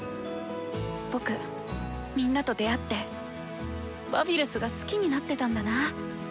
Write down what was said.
僕みんなと出会ってバビルスが好きになってたんだなぁ。